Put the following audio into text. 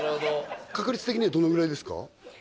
確率的にはどのぐらいですか？